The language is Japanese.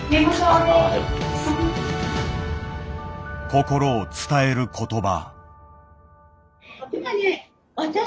心を伝える言葉。